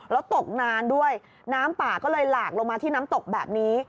แล้วตกนานด้วยน้ำป่าก็เลยหลากลงมาที่น้ำตกแบบนี้